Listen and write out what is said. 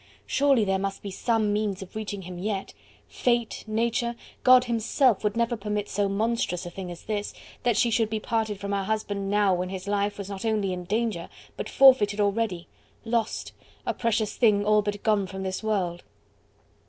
Surely there must be some means of reaching him yet! Fate, Nature, God Himself would never permit so monstrous a thing as this: that she should be parted from her husband, now when his life was not only in danger, but forfeited already... lost... a precious thing all but gone from this world.